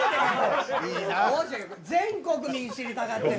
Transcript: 全国民、知りたがってる！